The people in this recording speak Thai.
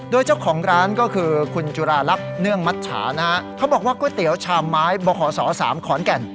โดยเจ้าของร้านก็คือคุณจุราลักษณ์เนื่องมัชชานะฮะเขาบอกว่าก๋วยเตี๋ยวชามไม้บขศ๓ขอนแก่น